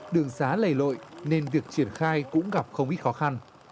đường xá lầy lội nên việc triển khai cũng gặp không ít khó khăn